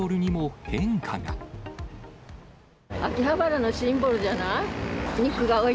秋葉原のシンボルじゃない？